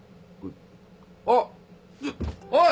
あっおい！